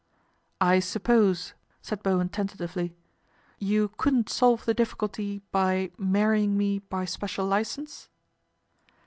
" I suppose," said Bowen tentatively, " you couldn't solve the difficulty by marrying me by special licence."